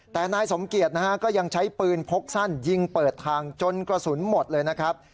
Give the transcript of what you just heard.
แต่นายสมเกียจนะฮะก็ยังใช้ปืนพกสั้นยิงเปิดทางจนกระสุนหมดเลยนะครับ